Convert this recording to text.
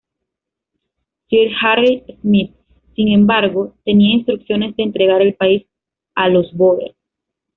Sir Harry Smith, sin embargo, tenía instrucciones de entregar el país a los bóer.